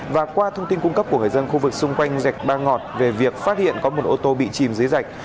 và qua thông tin cung cấp của người dân khu vực xung quanh rạch ba ngọt về việc phát hiện có một ô tô bị chìm dưới dạch